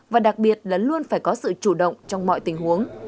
và đặc biệt là luôn phải có sự chủ động trong mọi tình huống